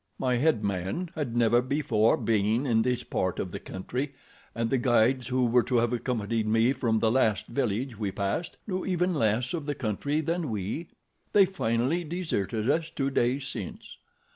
"My head man had never before been in this part of the country and the guides who were to have accompanied me from the last village we passed knew even less of the country than we. They finally deserted us two days since.